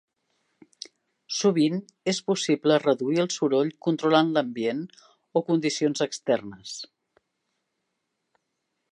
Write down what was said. Sovint és possible reduir el soroll controlant l'ambient o condicions externes.